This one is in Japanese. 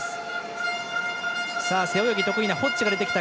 背泳ぎ得意なホッジが出てきた。